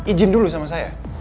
ijin dulu sama saya